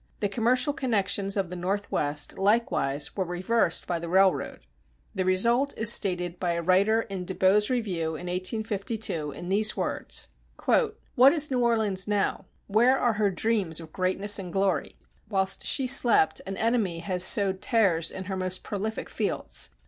The commercial connections of the Northwest likewise were reversed by the railroad. The result is stated by a writer in De Bow's Review in 1852 in these words: "What is New Orleans now? Where are her dreams of greatness and glory? ... Whilst she slept, an enemy has sowed tares in her most prolific fields.